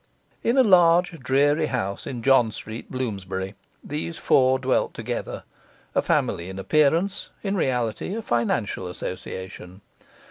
In a large, dreary house in John Street, Bloomsbury, these four dwelt together; a family in appearance, in reality a financial association.